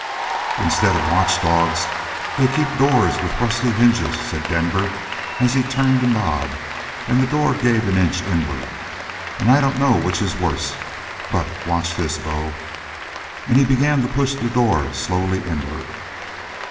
"Instead of watchdogs they keep doors with rusty hinges," said Denver as he turned the knob, and the door gave an inch inward. "And I dunno which is worst. But watch this, bo!" And he began to push the door slowly inward.